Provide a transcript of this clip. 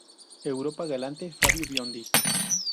Europa Galante, Fabio Biondi.